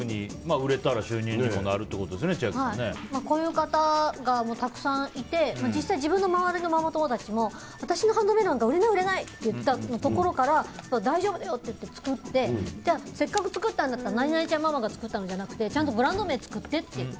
こういう方がたくさんいて実際、自分の周りのママ友たちも私のハンドメイドなんか売れない売れない！って言ってたところから大丈夫だよって言って作ってせっかく作ったんだったら何々ちゃんママが作ったのじゃなくてちゃんとブランド名つけてって。